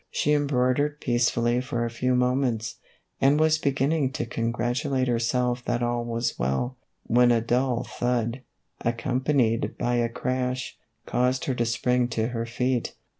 She embroidered peacefully for a few moments, and was beginning to congratulate her self that all was well, when a dull thud, accompanied by a crash, caused her to spring to her feet.